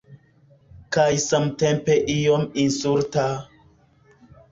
Kaj samtempe iom insulta...